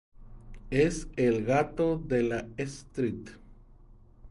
Es "el Gato" de la St.